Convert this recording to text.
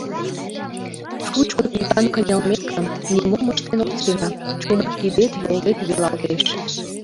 Шучко тӱтан кынелмеке, нимом ыштен от сеҥе, чумыр кидет-йолет велалтеш...